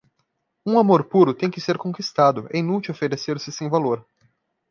Um amor puro tem que ser conquistado, é inútil oferecer-se sem valor.